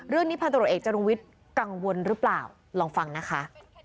พันตรวจเอกจรุงวิทย์กังวลหรือเปล่าลองฟังนะคะ